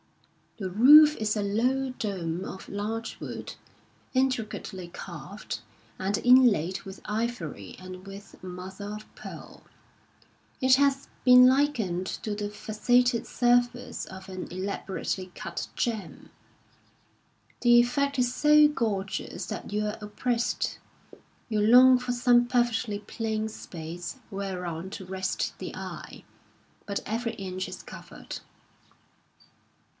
The roof is a low dome of larch wood, intricately carved and inlaid with ivory and with mother of pearl ; it has been likened to the faceted surface of an elaborately cut gem. The effect is so gorgeous that you are oppressed ; you long for some perfectly plain space whereon to rest the eye ; but every inch is covered.